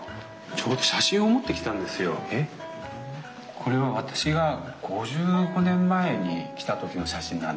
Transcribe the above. これは私が５５年前に来た時の写真なんです。